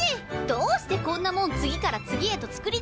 どうしてこんなもん次から次へと作り出せるのよ！